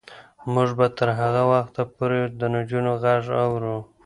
موږ به تر هغه وخته پورې د نجونو غږ اورو.